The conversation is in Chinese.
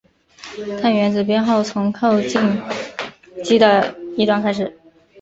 碳原子编号从靠近羰基的一端开始。